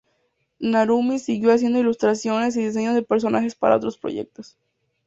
Narumi siguió haciendo ilustraciones y diseño de personajes para otros proyectos.